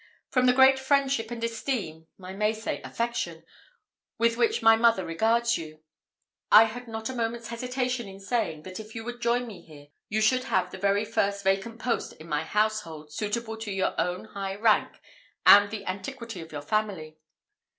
From the great friendship and esteem I may say affection with which my mother regards yours, I had not a moment's hesitation in saying, that if you would join me here, you should have the very first vacant post in my household, suitable to your own high rank and the antiquity of your family.